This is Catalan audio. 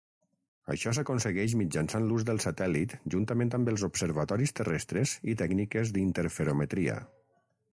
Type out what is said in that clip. Això s'aconsegueix mitjançant l'ús del satèl·lit juntament amb els observatoris terrestres i tècniques d'interferometria.